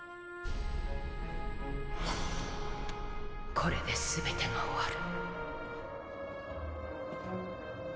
これで全てが終わる。